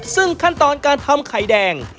ซึ่งขั้นตอนการทำไข่แดง